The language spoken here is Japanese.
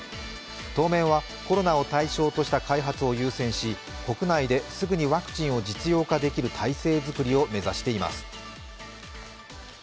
当面はコロナを対象とした開発を優先し、国内ですぐにワクチンを実用化できる体制づくりを目指しています。